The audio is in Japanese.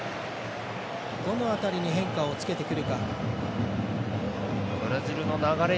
どの辺りに変化をつけてくるか。